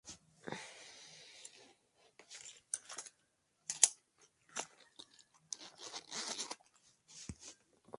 Originaria del sudeste de África, habita los márgenes boscosos y monte bajo.